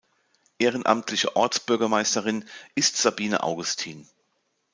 Ehrenamtliche Ortsbürgermeisterin ist Sabine Augustin.